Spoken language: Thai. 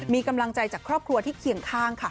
มีกำลังใจจากครอบครัวที่เคียงข้างค่ะ